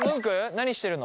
何してるの？